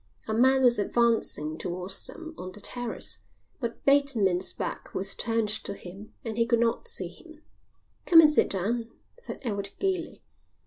A man was advancing towards them on the terrace, but Bateman's back was turned to him and he could not see him. "Come and sit down," said Edward gaily.